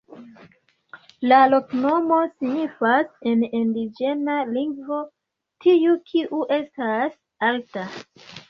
La loknomo signifas en indiĝena lingvo: tiu kiu estas alta.